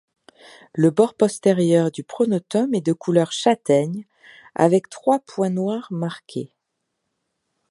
Le bord postérieur du pronotum est de couleur châtaigne avec trois points noirs marqués.